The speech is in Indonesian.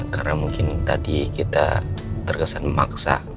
karena mungkin tadi kita terkesan memaksa